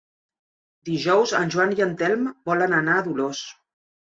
Dijous en Joan i en Telm volen anar a Dolors.